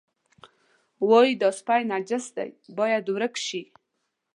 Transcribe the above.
وایي دا سپی نجس دی او باید ورک شي.